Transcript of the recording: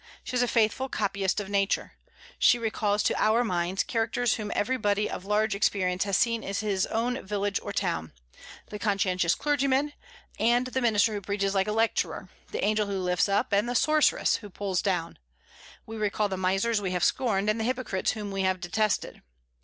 She is a faithful copyist of Nature. She recalls to our minds characters whom everybody of large experience has seen in his own village or town, the conscientious clergyman, and the minister who preaches like a lecturer; the angel who lifts up, and the sorceress who pulls down. We recall the misers we have scorned, and the hypocrites whom we have detested.